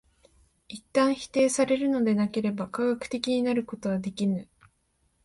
一旦否定されるのでなければ科学的になることはできぬ。